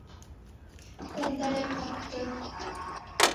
Тәндәре ҡатты.